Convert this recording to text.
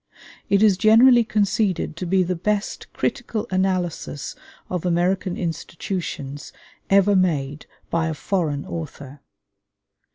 It is generally conceded to be the best critical analysis of American institutions ever made by a foreign author.